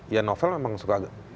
ya novel memang suka